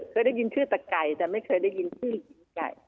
เคยได้ยินชื่อแต่ไก่แต่ไม่เคยได้ยินชื่อหญิงไก่